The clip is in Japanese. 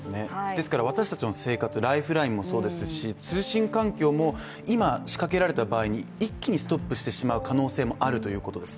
ですから私たちの生活、ライフラインもそうですし、通信環境も今、仕掛けられた場合に一気にストップしてしまう可能性もあるということです。